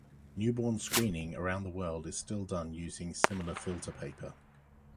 Newborn screening around the world is still done using similar filter paper.